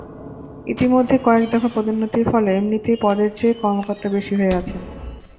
ইতিমধ্যে কয়েক দফা পদোন্নতির ফলে এমনিতেই পদের চেয়ে কর্মকর্তা বেশি হয়ে আছেন।